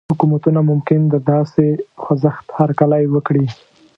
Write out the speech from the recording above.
حکومتونه ممکن د داسې خوځښت هرکلی وکړي.